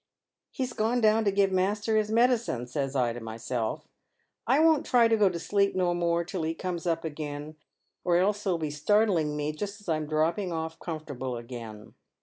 ' He's gone down to give master his medicine,' says I to myself ; "I won't ti y to go to sleep no more till he comes up again or else he'll be startling me just as I'm dropping off comfortable again.